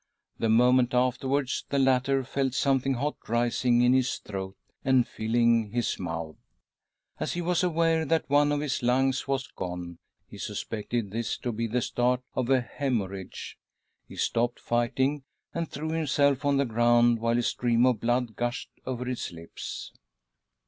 The moment afterwards the latter felt something hot rising. in his throat and filling his mouth. As he was aware that one of his lungs was gone, he suspected this to be the starting of a hemorrhage. He stopped THE BIRTH OF A NEW YEAR 35 1, wh|le fighting and threw himself on the ground, •a stream of blood gushed over his lips.